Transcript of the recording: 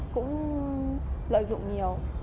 cũng lợi dụng nhiều